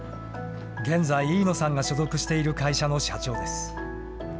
現在、飯野さんが所属している会社の社長です。